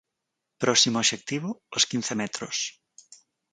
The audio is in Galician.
Próximo obxectivo: os quince metros.